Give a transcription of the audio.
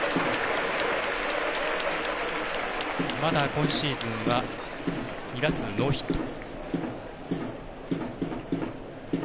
まだ今シーズンは２打数ノーヒット。